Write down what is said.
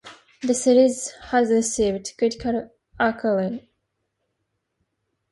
The series has received critical acclaim.